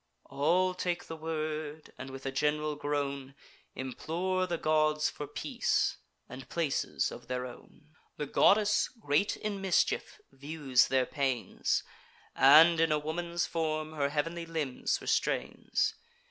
All take the word, and, with a gen'ral groan, Implore the gods for peace, and places of their own. The goddess, great in mischief, views their pains, And in a woman's form her heav'nly limbs restrains.